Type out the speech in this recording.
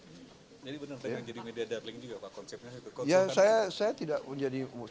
jadi benar benar jadi media darling juga pak konsepnya